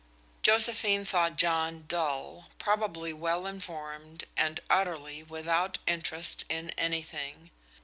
Josephine thought John dull, probably well informed, and utterly without interest in anything.